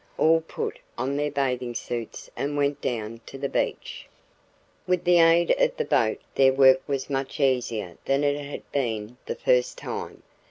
All put on their bathing suits and went down to the beach. With the aid of the boat their work was much easier than it had been the first time.